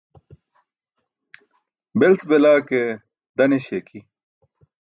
Belc belaa ke, dan eśi aki.